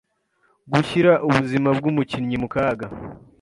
gushyira ubuzima bw’umukinnyi mu kaga